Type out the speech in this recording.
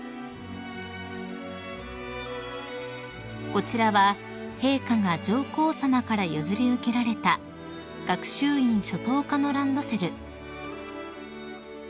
［こちらは陛下が上皇さまから譲り受けられた学習院初等科のランドセル］